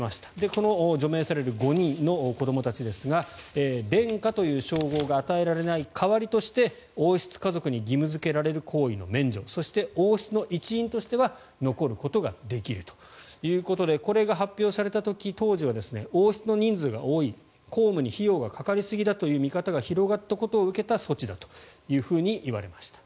この除名される５人の子どもたちですが殿下という称号が与えられない代わりとして王室家族に義務付けられる行為の免除そして、王室の一員としては残ることができるということでこれが発表された時、当時は王室の人数が多い公務に費用がかかりすぎたという見方が広がったことを受けた措置だといわれました。